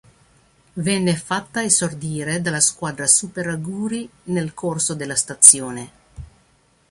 Venne fatta esordire dalla squadra Super Aguri nel corso della stazione.